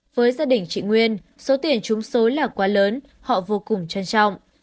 với gia đình chị nguyên số tiền chúng số là quá lớn họ vô cùng trân trọng